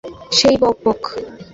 এখনও সেই বকবক।